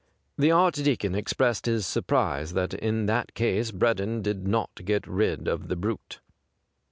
The Archdeacon expressed his surprise that in that case Breddon did not get rid of the brute.